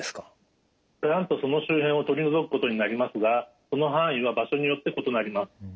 がんとその周辺を取り除くことになりますがその範囲は場所によって異なります。